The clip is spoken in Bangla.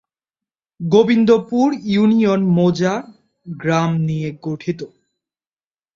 গোবিন্দপুর ইউনিয়ন মৌজা/গ্রাম নিয়ে গঠিত।